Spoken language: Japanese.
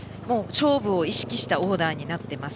勝負を意識したオーダーになっています。